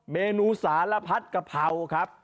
เมนูสารพัดกะเพราครับ